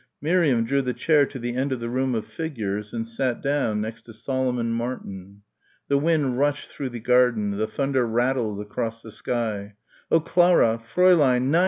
Miriam drew the chair to the end of the row of figures and sat down next to Solomon Martin. The wind rushed through the garden, the thunder rattled across the sky. "Oh, Clara! Fräulein! Nein!"